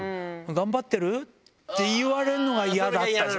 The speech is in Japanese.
頑張ってる？って言われるのが嫌だった。